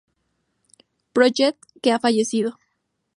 Project que ha fallecido.